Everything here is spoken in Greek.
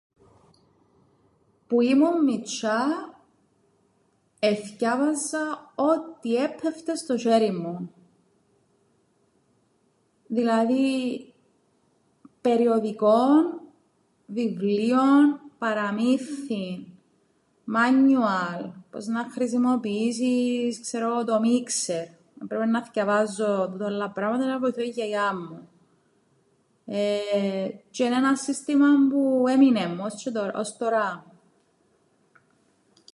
Που ήμουν μιτσ̆ιά εθκιάβαζα ό,τι έππεφτεν στο σ̆έριν μου, δηλαδή περιοδικόν, βιβλίον, παραμύθθιν, manual πώς να χρησιμοποιήσεις ξέρω 'γω το μίξερ, έπρεπεν να θκιεβάζω τούτα ούλλα τα πράματα να βοηθώ την γιαγιάν μου τζ̆αι εν' ένα σύστημαν που έμεινεν μου ώς τζ̆αι- ώς τωρά.